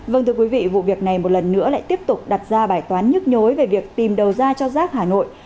vâng thưa quý vị vụ việc này một lần nữa lại tiếp tục đặt ra bài toán nhức nhối về việc tìm đầu ra cho rác hà nội